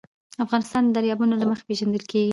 افغانستان د دریابونه له مخې پېژندل کېږي.